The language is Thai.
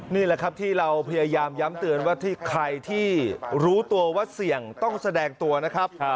นี่แหละครับที่เราพยายามย้ำเตือนว่าที่ใครที่รู้ตัวว่าเสี่ยงต้องแสดงตัวนะครับ